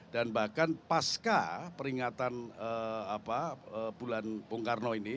dan bahkan pasca peringatan apa bulan bung karno ini